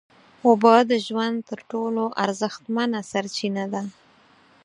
اوبه د ژوند تر ټولو ارزښتمنه سرچینه ده